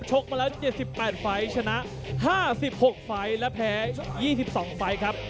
กมาแล้ว๗๘ไฟล์ชนะ๕๖ไฟล์และแพ้๒๒ไฟล์ครับ